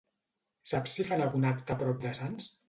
Saps si fan algun acte a prop de Sants?